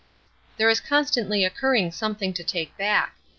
There is constantly occurring something to take back.